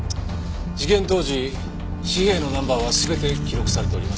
事件当時紙幣のナンバーは全て記録されております。